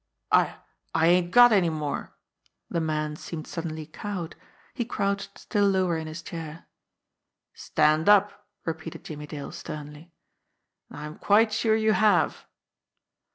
"I I ain't got any more." The man seemed suddenly cowed. He crouched still lower in his chair. "Stand up!" repeated Jimmie Dale sternly. "Now I'm quite sure you have